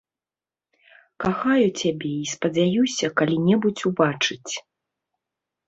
Кахаю цябе і спадзяюся калі-небудзь убачыць.